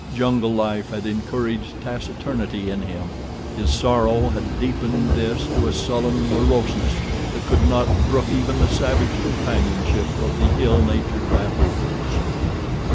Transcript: Jungle life had encouraged taciturnity in him. His sorrow had deepened this to a sullen moroseness that could not brook even the savage companionship of the ill natured baboons.